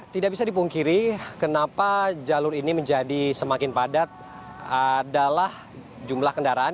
tidak bisa dipungkiri kenapa jalur ini menjadi semakin padat adalah jumlah kendaraan